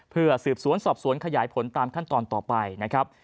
เพื่อสืบสวนสอบสวนขยายผลตามขั้นตอนต่อไปนะครับ